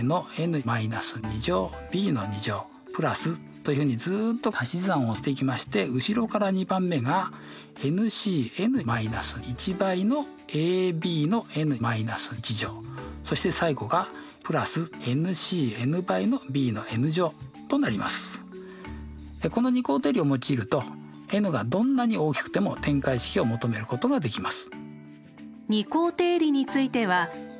というふうにずっと足し算をしていきまして後ろから２番目がこの二項定理を用いるとｎがどんなに大きくても展開式を求めることができます。